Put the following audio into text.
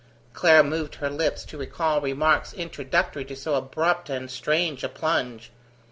Clara moved her lips to recall remarks introductory to so abrupt and strange a plunge.